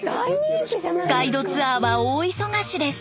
ガイドツアーは大忙しです。